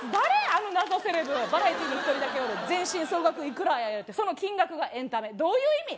あの謎セレブバラエティーに１人だけおる全身総額いくらやいうてその金額がエンタメどういう意味？